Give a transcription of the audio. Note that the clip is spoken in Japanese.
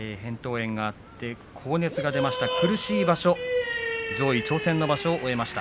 炎になって高熱が出ました、苦しい場所上位挑戦の場所を終えました。